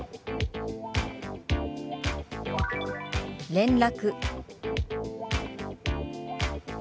「連絡」。